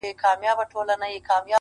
ښه دی چي ونه درېد ښه دی چي روان ښه دی ـ